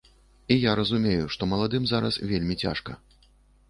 І я разумею, што маладым зараз вельмі цяжка.